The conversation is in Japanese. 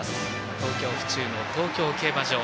東京・府中の東京競馬場。